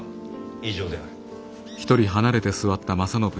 以上である。